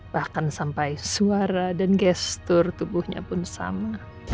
bahkan sampai suara dan gestur tubuhnya pun sama